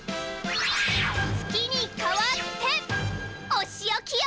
月にかわっておしおきよ！